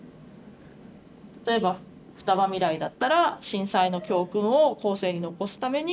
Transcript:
例えばふたば未来だったら「震災の教訓を後世に残すために」。